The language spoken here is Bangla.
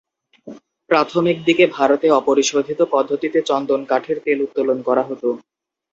প্রথমদিকে ভারতে অপরিশোধিত পদ্ধতিতে চন্দন কাঠের তেল উত্তোলন করা হত।